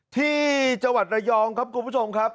ที่จังหวัดระยองครับคุณผู้ชมครับ